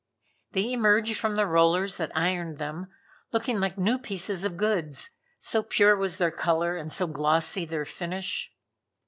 They emerged from the rollers that ironed them looking like new pieces of goods, so pure was their color, and so glossy their finish.